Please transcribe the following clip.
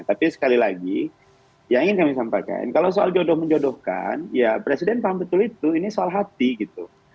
tapi sekali lagi yang ingin kami sampaikan kalau soal jodoh menjodohkan ya presiden paham betul itu ini soal hati gitu